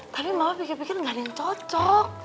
tapi mama pikir pikir gak ada yang cocok